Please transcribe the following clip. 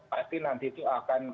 pasti nanti itu akan